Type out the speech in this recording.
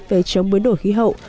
về chống biến đổi khí hậu